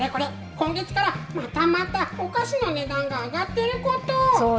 今月からまたまたお菓子の値段が上がっていること。